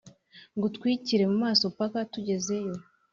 ngutwikire mumaso paka tugezeyo